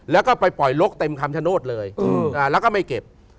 แล้วก็ไปปล่อยลกเต็มคำชโนธเลยแล้วก็ไม่เก็บ